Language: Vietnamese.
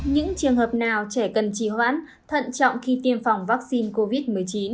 những trường hợp nào trẻ cần trì hoãn thận trọng khi tiêm phòng vaccine covid một mươi chín